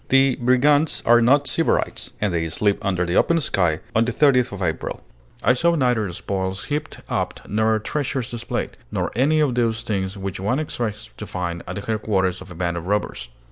The brigands are not sybarites, and they sleep under the open sky on the 30th of April. I saw neither spoils heaped up nor treasures displayed, nor any of those things which one expects to find at the headquarters of a band of robbers.